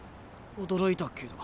驚いたけど。